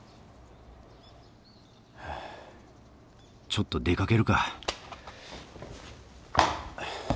ちょっと出かけるか